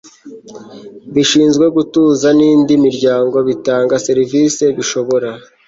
bishinzwe gutuza n indi miryango bitanga serivise bishobora